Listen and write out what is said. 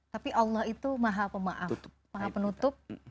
tapi allah itu maha pemaaf maha penutup